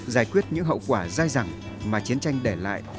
giải quyết những hậu quả dai dẳng mà chiến tranh để lại